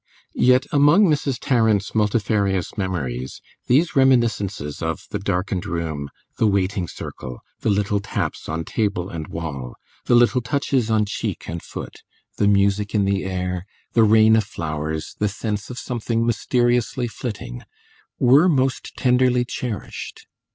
Yet among Mrs. Tarrant's multifarious memories these reminiscences of the darkened room, the waiting circle, the little taps on table and wall, the little touches on cheek and foot, the music in the air, the rain of flowers, the sense of something mysteriously flitting, were most tenderly cherished.